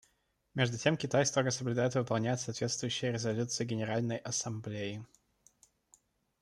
Между тем Китай строго соблюдает и выполняет соответствующие резолюции Генеральной Ассамблеи.